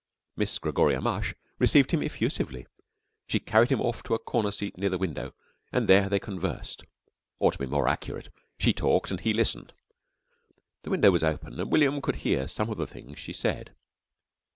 Miss Gregoria Mush received him effusively. She carried him off to a corner seat near the window, and there they conversed, or, to be more accurate, she talked and he listened. The window was open and William could hear some of the things she said.